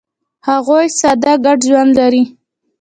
هغوی ساده ګډ ژوند لري.